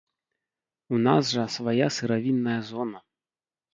У нас жа свая сыравінная зона!